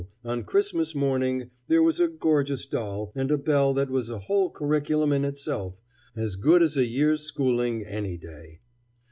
on Christmas morning there was a gorgeous doll, and a bell that was a whole curriculum in itself, as good as a year's schooling any day!